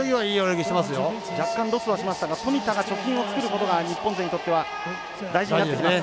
若干ロスはしましたが富田が貯金を作ることが日本勢にとっては大事になってきます。